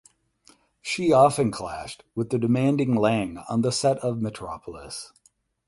She often clashed with the demanding Lang on the set of "Metropolis".